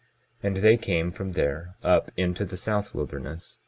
22:31 And they came from there up into the south wilderness.